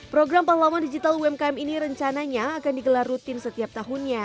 program pahlawan digital umkm ini rencananya akan digelar rutin setiap tahunnya